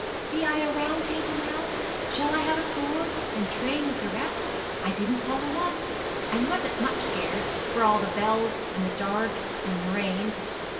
Be I a Round Table now? Shall I have a sword, and train with the rest? I didn't holler once, and wasn't much scared, for all the bells, and the dark, and the rain."